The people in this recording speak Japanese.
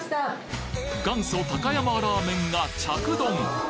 元祖高山ラーメンが着丼！